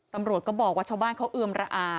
ตำรวจก็บอกว่าชาวบ้านเขาเอือมระอา